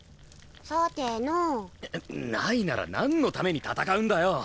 さてのうないならなんのために戦うんだよ